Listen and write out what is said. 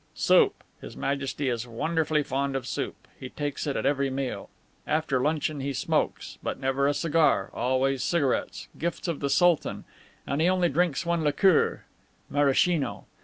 "Soup. His Majesty is wonderfully fond of soup. He takes it at every meal. After luncheon he smokes, but never a cigar always cigarettes, gifts of the Sultan; and he only drinks one liqueur, Maraschino.